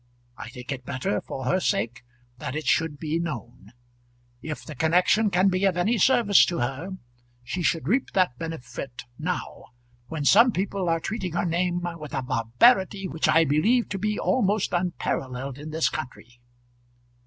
I think it better, for her sake, that it should be known. If the connection can be of any service to her, she should reap that benefit now, when some people are treating her name with a barbarity which I believe to be almost unparalleled in this country."